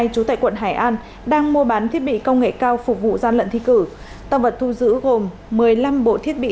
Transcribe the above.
chú tại quận hải an đang mua bán thiết bị công nghệ cao phục vụ gian lận thi cử